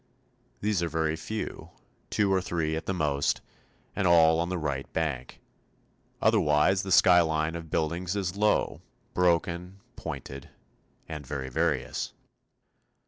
These are very few two or three at the most and all on the right bank. Otherwise the skyline of buildings is low, broken, pointed, and very various.